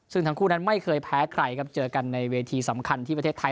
ซึ่งทั้งคู่นั้นไม่เคยแพ้ใครครับเจอกันในเวทีสำคัญที่ประเทศไทย